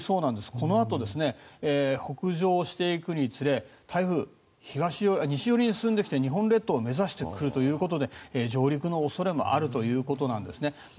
このあと北上していくにつれ台風、西寄りに進んできて日本列島を目指してくるということで上陸の恐れもあるということなんですね。